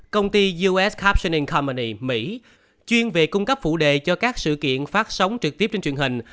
công ty us capsian commen mỹ chuyên về cung cấp phụ đề cho các sự kiện phát sóng trực tiếp trên truyền hình